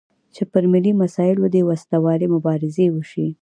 چې پر ملي مسایلو دې وسلوالې مبارزې وشي.